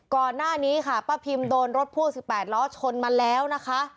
ก่อนหน้านี้ค่ะป้าพิมโดนรถพ่วง๑๘ล้อชนมาแล้วนะคะ